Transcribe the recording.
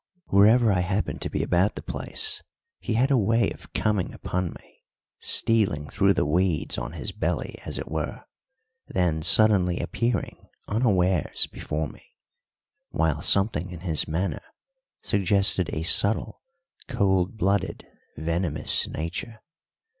Wherever I happened to be about the place he had a way of coming upon me, stealing through the weeds on his belly as it were, then suddenly appearing unawares before me; while something in his manner suggested a subtle, cold blooded, venomous nature.